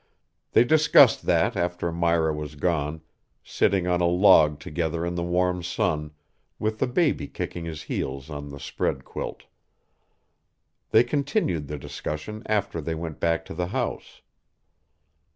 They discussed that after Myra was gone, sitting on a log together in the warm sun, with the baby kicking his heels on the spread quilt. They continued the discussion after they went back to the house.